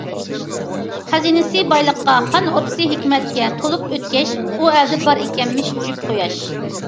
خەزىنىسى بايلىققا، خان ئوردىسى ھېكمەتكە— تولۇپ ئۆتكەچ ئۇ ئەلدە بار ئىكەنمىش جۈپ قۇياش.